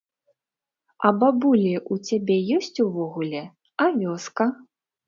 А бабулі ў цябе ёсць увогуле, а вёска?